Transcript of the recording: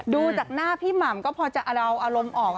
ดูจากหน้าพี่หม่ำก็พอจะเอาอารมณ์ออก